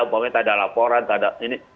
umpamanya tak ada laporan tak ada ini